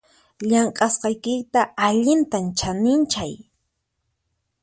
Llamk'asqaykita allintam chaninchay